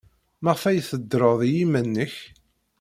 Maɣef ay teddred i yiman-nnek?